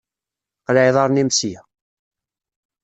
Qleɛ iḍaṛṛen-im sya!